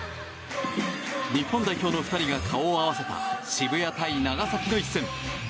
日本代表の２人が顔を合わせた渋谷対長崎の一戦。